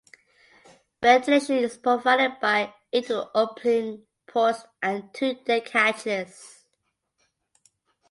Ventilation is provided by eight opening ports and two deck hatches.